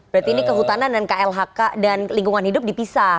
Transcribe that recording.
berarti ini kehutanan dan klhk dan lingkungan hidup dipisah